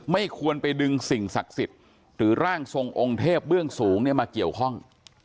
ไม่ควรไปดึงสิ่งศักดิ์สิทธิ์หรือร่างทรงองค์เทพเบื้องสูงเนี่ยมาเกี่ยวข้อง